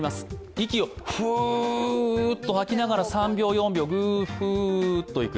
息をフーッと吐きながら３秒、４秒、グーッといく。